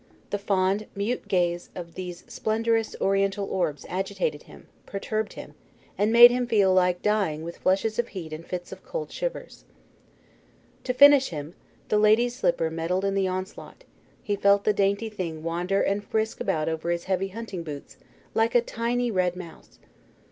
The fond, mute gaze of these splendrous Oriental orbs agitated him, perturbed him, and made him feel like dying with flushes of heat and fits of cold shivers. To finish him, the lady's slipper meddled in the onslaught: he felt the dainty thing wander and frisk about over his heavy hunting boots like a tiny red mouse.